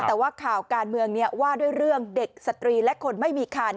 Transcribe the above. แต่ว่าข่าวการเมืองว่าด้วยเรื่องเด็กสตรีและคนไม่มีคัน